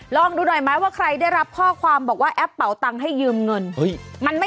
ลองดูหน่อยไหมว่าใครได้รับข้อความบอกว่าแอปเป่าตังค์ให้ยืมเงิน